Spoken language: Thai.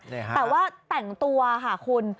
แต่ว่าแต่งตัวค่ะคุณ